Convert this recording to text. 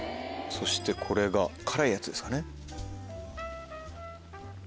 そしてこれが辛いやつですかね。